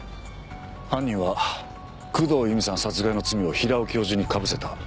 犯人は工藤由美さん殺害の罪を平尾教授にかぶせた。